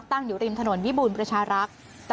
ตั้งอยู่ริมถนนวิบูรณประชารักษ์